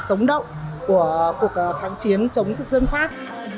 rất là tốt rất là tốt rất là tốt